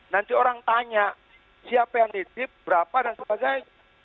nanti orang tanya siapa yang nitip berapa dan sebagainya